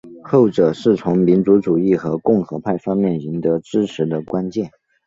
后者是从民族主义和共和派方面赢得支持的关键。